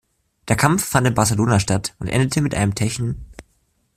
Der Kampf fand in Barcelona statt und endete mit einem techn.